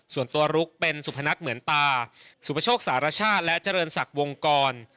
ลุกเป็นสุพนัทเหมือนตาสุปโชคสารชาติและเจริญศักดิ์วงกร